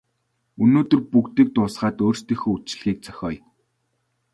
Өнөөдөр бүгдийг дуусгаад өөрсдийнхөө үдэшлэгийг зохиоё.